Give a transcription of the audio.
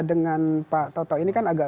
dengan pak toto ini kan agak